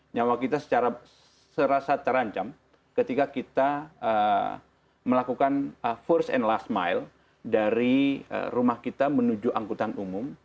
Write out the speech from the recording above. nyawa kita secara serasa terancam ketika kita melakukan first and last mile dari rumah kita menuju angkutan umum